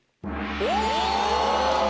お！